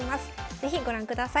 是非ご覧ください。